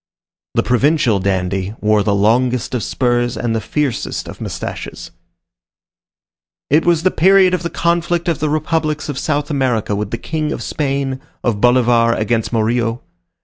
The provincial dandy wore the longest of spurs and the fiercest of moustaches. It was the period of the conflict of the republics of South America with the King of Spain, of Bolivar against Morillo.